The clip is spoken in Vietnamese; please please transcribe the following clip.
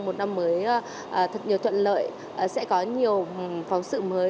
một năm mới thật nhiều thuận lợi sẽ có nhiều phóng sự mới